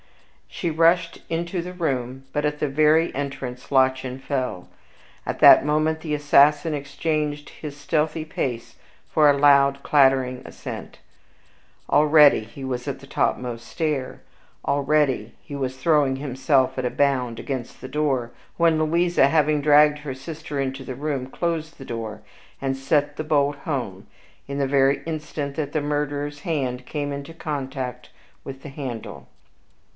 She rushed into the room, but at the very entrance Lottchen fell. At that moment the assassin exchanged his stealthy pace for a loud clattering ascent. Already he was on the topmost stair; already he was throwing himself at a bound against the door, when Louisa, having dragged her sister into the room, closed the door and sent the bolt home in the very instant that the murderer's hand came into contact with the handle.